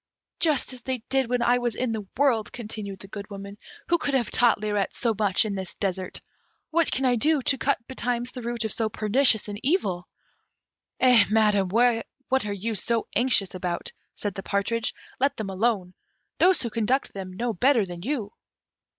"Just as they did when I was in the world," continued the Good Woman; "who could have taught Lirette so much in this desert? What can I do to cut betimes the root of so pernicious an evil?" "Eh, Madam, what are you so anxious about?" said the partridge; "let them alone those who conduct them know better than you."